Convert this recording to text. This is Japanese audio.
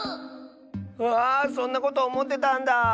うわあそんなことおもってたんだあ。